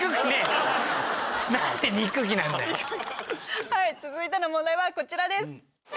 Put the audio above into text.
はい続いての問題はこちらです。